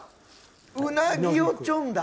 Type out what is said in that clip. うなぎをちょんだ。